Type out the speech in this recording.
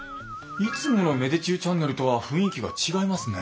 いつもの芽出中チャンネルとは雰囲気が違いますね。